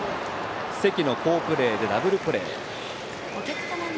関の好プレーでダブルプレー。